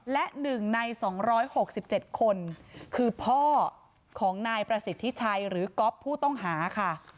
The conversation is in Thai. และ๑ใน๒๖๗คนคือพ่อของนายประสิทธิชัยหรือก๊อฟผู้ต้องหาค่ะ